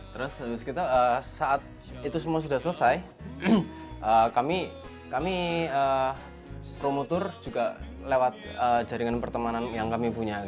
terus kita saat itu semua sudah selesai kami promotor juga lewat jaringan pertemanan yang kami punya